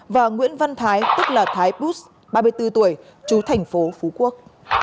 và nguyễn văn thái tức là thái bút ba mươi bốn tuổi chú thành phố phú quốc